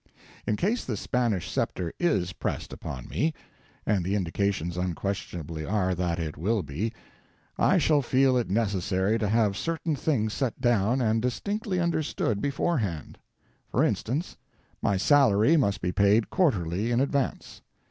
In case the Spanish sceptre is pressed upon me and the indications unquestionably are that it will be I shall feel it necessary to have certain things set down and distinctly understood beforehand. For instance: My salary must be paid quarterly in advance.